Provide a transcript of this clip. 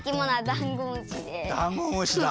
ダンゴムシだ。